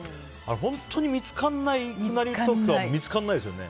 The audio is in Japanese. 本当に見つかんない時は見つかんないですね。